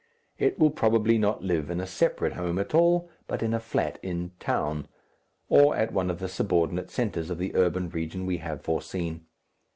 It will probably not live in a separate home at all, but in a flat in "Town," or at one of the subordinate centres of the urban region we have foreseen.